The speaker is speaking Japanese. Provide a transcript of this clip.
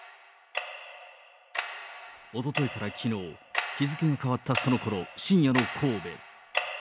おとといからきのう、日付が変わったそのころ、深夜の神戸。